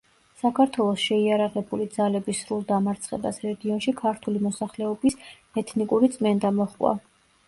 საქართველოს შეიარაღებული ძალების სრულ დამარცხებას რეგიონში ქართული მოსახლეობის ეთნიკური წმენდა მოჰყვა.